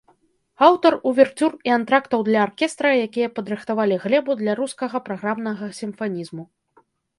Аўтар уверцюр і антрактаў для аркестра, якія падрыхтавалі глебу для рускага праграмнага сімфанізму.